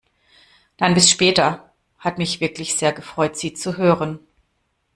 Dann bis später. Hat mich wirklich sehr gefreut Sie zu hören!